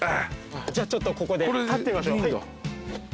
じゃあちょっとここで立ってみましょう。